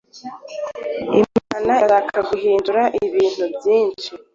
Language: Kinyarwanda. Imana irashaka guhindura ibintu byinshi